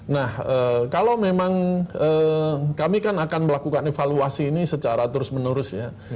nah kalau memang kami kan akan melakukan evaluasi ini secara terus menerus ya